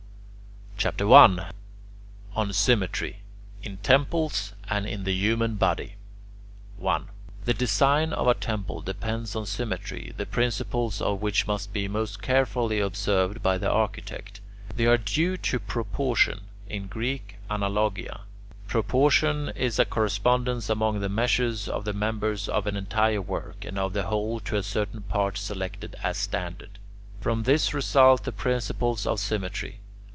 CHAPTER I ON SYMMETRY: IN TEMPLES AND IN THE HUMAN BODY 1. The design of a temple depends on symmetry, the principles of which must be most carefully observed by the architect. They are due to proportion, in Greek [Greek: analogia]. Proportion is a correspondence among the measures of the members of an entire work, and of the whole to a certain part selected as standard. From this result the principles of symmetry.